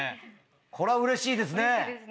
これはうれしいですね！